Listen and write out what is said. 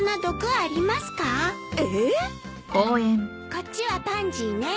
こっちはパンジーね。